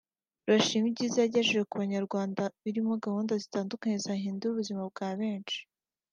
barashima ibyiza yagejeje ku banyarwanda birimo gahunda zitandukanye zahinduye ubuzima bwa benshi